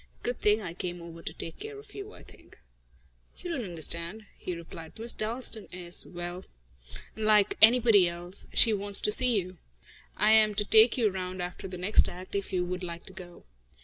Good thing I came over to take care of you, I think." "You don't understand," he replied. "Miss Dalstan is well, unlike anybody else. She wants to see you. I am to take you round after the next act, if you would like to go."